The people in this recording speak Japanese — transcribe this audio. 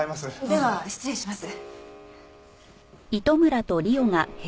では失礼します。